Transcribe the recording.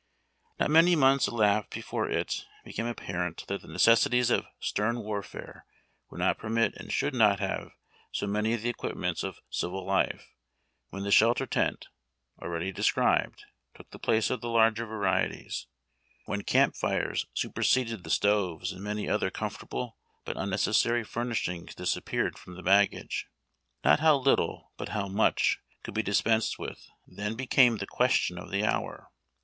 Not many months elapsed before it became apparent that the necessities of stern warfare would not permit and should not have so many of the equipments of civil life, when the shelter tent, already described, took the place of the larger varieties; when camp fires superseded the stoves, and many other comfortable but unnecessary furnishings disappeared from the baggage. Not how Uftle but how much could be dispensed with then became the question of the hour.